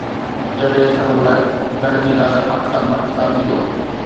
جڏهن سڀ گل گڏ ٿيندا ته پاڪستان پاڪستان ٿيندو